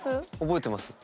覚えてます。